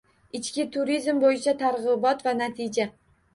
Ichki turizm bo‘yicha targ‘ibot va natija